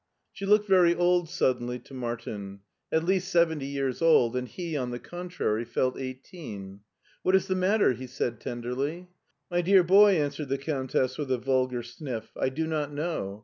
She looked very old suddenly to Martin: at least seventy years old, and he, on the contrary, felt eighteen. " What is the matter ?*' he said tenderiy. "My dear boy," answered the Countess with a vulgar sniff, "I do not know.